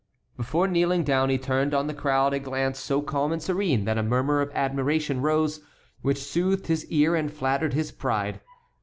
Before kneeling down he turned on the crowd a glance so calm and serene that a murmur of admiration rose, which soothed his ear and flattered his pride.